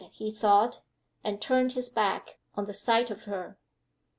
he thought and turned his back on the sight of her.